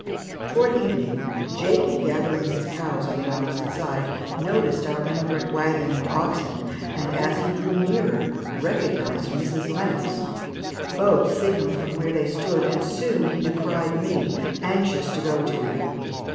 Toward evening, Jakie gathering his cows on the opposite side, noticed our emigrant wagon, and oxen, and as he drew nearer recognized Mrs. Lennox. Both signalled from where they stood, and soon he descried me, anxious to go to him.